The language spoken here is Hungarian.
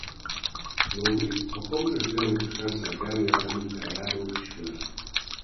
Lowie a Komplex Dinamikus Rendszerek Elmélete munkájáról ismert.